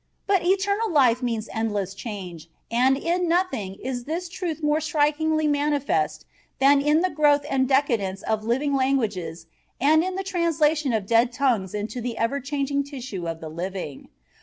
But eternal life means endless change and in nothing is this truth more strikingly manifest than in the growth and decadence of living languages and in the translation of dead tongues into the ever changing tissue of the living.